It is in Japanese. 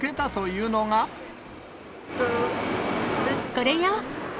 これよ。